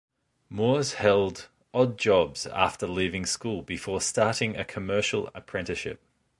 Moers held odd jobs after leaving school before starting a commercial apprenticeship.